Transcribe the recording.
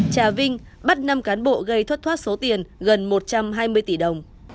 trà vinh bắt năm cán bộ gây thất thoát số tiền gần một trăm hai mươi tỷ đồng